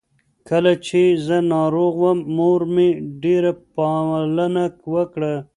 کله چې زه ناروغه وم، مور مې ډېره پالنه وکړه.